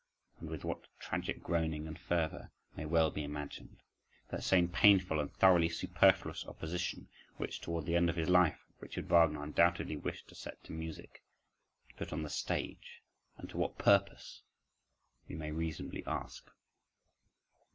and with what tragic groaning and fervour, may well be imagined—that same painful and thoroughly superfluous opposition which, towards the end of his life, Richard Wagner undoubtedly wished to set to music and to put on the stage, And to what purpose? we may reasonably ask.